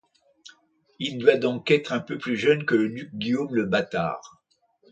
Il doit donc être un peu plus jeune que le duc Guillaume le Bâtard.